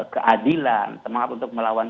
keadilan teman teman untuk melawan